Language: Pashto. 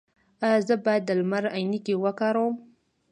ایا زه باید د لمر عینکې وکاروم؟